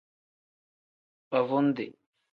Baavundi.